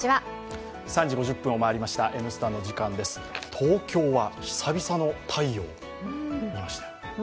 東京は久々の太陽が出ましたよ。